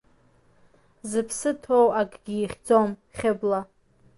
Зыԥсы ҭоу акгьы ихьӡом, Хьыбла.